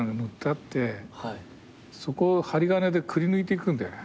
そこを針金でくりぬいていくんだよね。